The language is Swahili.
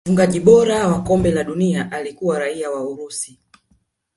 mfungaji bora wa kombe la dunia alikuwa raia wa urusi